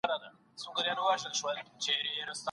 يا به ئې غصه پر حق وي.